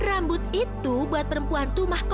adik tenang ya